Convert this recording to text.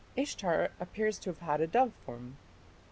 Ishtar appears to have had a dove form.